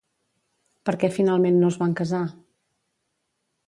Per què finalment no es van casar?